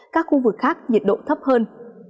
các khu vực khác nhiệt độ thấp hơn